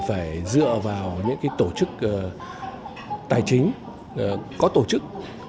phải dựa vào những tổ chức tài chính có tổ chức